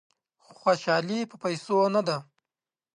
خوشالي په پیسو نه ده.